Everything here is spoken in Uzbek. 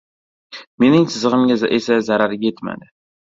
Mening chizigʻimga esa zarar yetmadi.